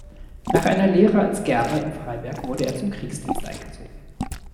Nach einer Lehre als Gerber in Freiberg wurde er zum Kriegsdienst eingezogen.